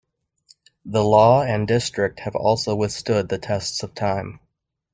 The law and District have also withstood the tests of time.